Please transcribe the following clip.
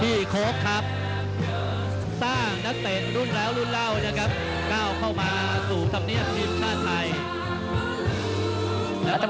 ท่านแรกครับจันทรุ่ม